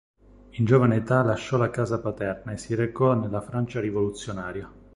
In giovane età lasciò la casa paterna e si recò nella Francia rivoluzionaria.